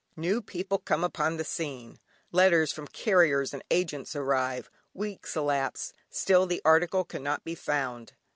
New people come upon the scene. Letters from carriers and agents arrive. Weeks elapse, still the article cannot be found.